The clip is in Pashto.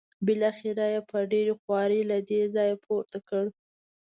بالاخره یې په ډېره خوارۍ له دې ځایه پورته کړ.